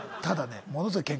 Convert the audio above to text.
ただね。